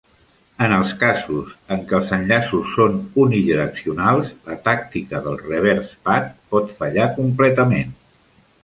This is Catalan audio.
En els casos en que els enllaços són unidireccionals, la tàctica del "reverse path" pot fallar completament.